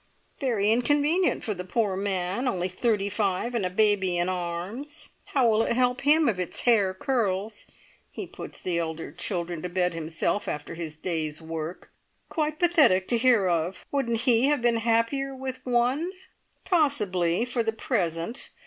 "Very inconvenient for the poor man! Only thirty five, and a baby in arms. How will it help him if its hair curls? He puts the elder children to bed himself after his day's work. Quite pathetic to hear of! Wouldn't he have been happier with one?" "Possibly for the present.